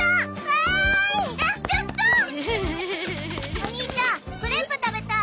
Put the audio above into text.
お兄ちゃんクレープ食べたい。